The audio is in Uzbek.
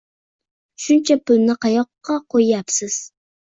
Shuncha pulni qayoqqa qo‘yyapsiz?